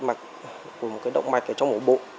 mạch của một cái động mạch ở trong mổ bụng